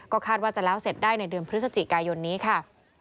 คาดว่าจะแล้วเสร็จได้ในเดือนพฤศจิกายนนี้ค่ะ